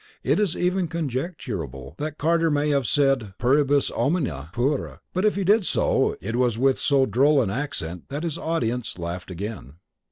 It is even conjecturable that Carter may have said puribus omnia pura; but if he did so, it was with so droll an accent that his audience laughed again.